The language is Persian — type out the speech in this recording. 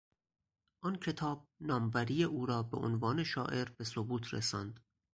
آن کتاب ناموری او را به عنوان شاعر به ثبوت رساند.